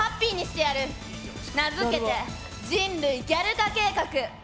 名付けて「人類ギャル化計画」！